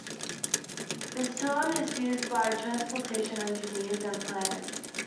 This term is used by transportation engineers and planners.